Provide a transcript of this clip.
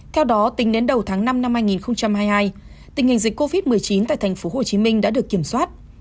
theo đó tính đến đầu tháng năm năm hai nghìn hai mươi hai tình hình dịch covid một mươi chín tại thành phố hồ chí minh đã được kiểm soát